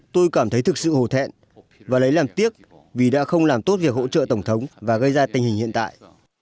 tôi cảm thấy thực sự hồ thẹn và lấy làm tiếc vì đã không làm tốt việc hỗ trợ tổng thống và gây ra tình hình hiện tại